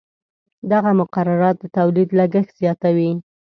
دغه مقررات د تولید لګښت زیاتوي.